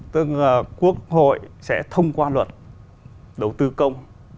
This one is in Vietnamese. tức là quốc hội sẽ thông qua luật đầu tư công